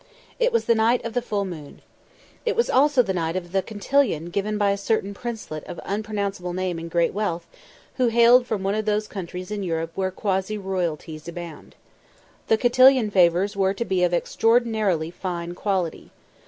It was the night of the full moon. It was also the night of the cotillon given by a certain princelet of unpronounceable name and great wealth, who hailed from one of those countries in Europe where quasi royalties abound. The cotillon favours were to be of extraordinarily fine quality.